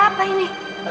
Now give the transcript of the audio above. ada apa ini